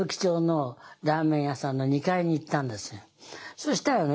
そしたらね